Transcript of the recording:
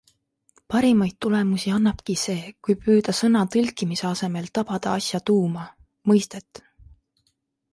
Parimaid tulemusi annabki see, kui püüda sõna tõlkimise asemel tabada asja tuuma, mõistet.